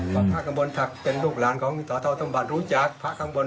พระข้างบนเป็นลูกหลานของต่อท่อต้มบันรู้จักพระข้างบน